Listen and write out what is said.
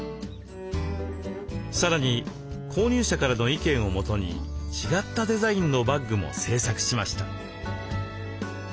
さらに購入者からの意見をもとに違ったデザインのバッグも製作しました。